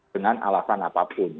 dengan alasan apapun